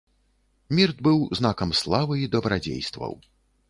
Мірт быў знакам славы і дабрадзействаў.